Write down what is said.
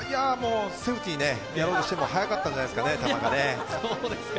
セーフティーやろうとして速かったんじゃないですか。